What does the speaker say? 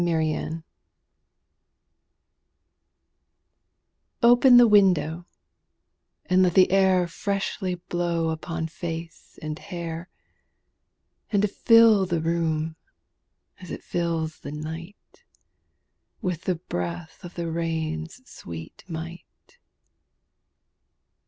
Nelson] OPEN the window, and let the air Freshly blow upon face and hair, And fill the room, as it fills the night, With the breath of the rain's sweet might.